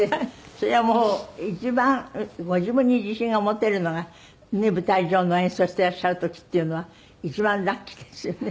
それはもう一番ご自分に自信が持てるのが舞台上の演奏をしていらっしゃる時っていうのは一番ラッキーですよね。